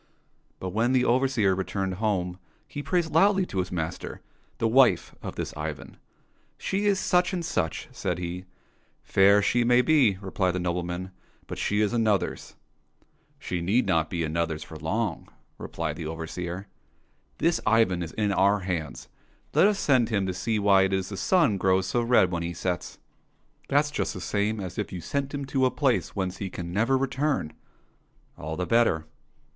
But when the overseer returned home he praised loudly to his master the wife of this Ivan. *' She is such and such," said he. '' Fair she may be," repHed the nobleman, " but she is another's." —" She need not be another's for long," replied the overseer. '* This Ivan is in our hands ; let us send him to see why it is the sun grows so red when he sets." —" That's just the same as if you sent him to a place whence he can never return." —" All the better."